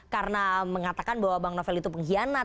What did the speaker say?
karena mengatakan bahwa bang novel itu pengkhianat